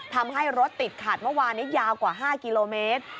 ทำให้รถติดขาดเมื่อวานนี้ยาวกว่า๕กิโลเมตร